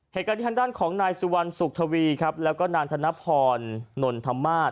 เหตุการณ์ที่ทางด้านของนายสุวรรณสุขทวีครับแล้วก็นางธนพรนนทมาส